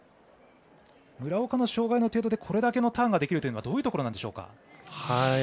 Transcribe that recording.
村岡の障がいの程度でこれだけのターンができるのはどういうところなんでしょうか。